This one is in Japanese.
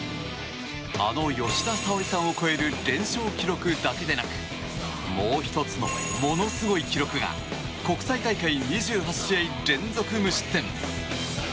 あの吉田沙保里さんを超える連勝記録だけでなくもう１つの、ものすごい記録が国際大会２８試合連続無失点。